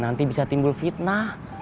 nanti bisa timbul fitnah